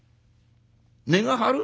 「値が張る？